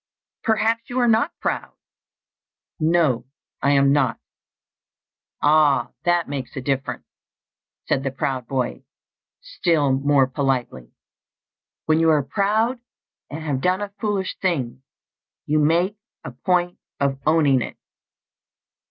"Perhaps you are not proud?" "No, I am not." "Ah, that makes a difference," said the proud boy, still more politely. "When you are proud, and have done a foolish thing, you make a point of owning it."